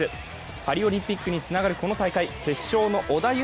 パリオリンピックにつながるこの大会、決勝の織田夢